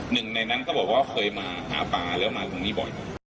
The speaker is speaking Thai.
หนึ่งในนั้นก็บอกว่าเคยมาหาปลาแล้วมาตรงนี้บ่อย